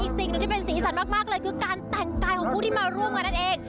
สิ่งหนึ่งที่เป็นสีสันมากเลยคือการแต่งกายของผู้ที่มาร่วมกันนั่นเอง